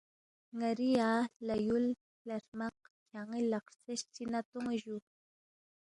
ن٘ری یا ہلا یُولی ہلا ہرمق کھیان٘ی لق ہرژیس چی نہ تون٘ی جُو